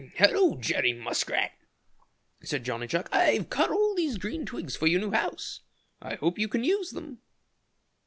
"Hello, Jerry Muskrat," said Johnny Chuck. "I've cut all these green twigs for your new house. I hope you can use them."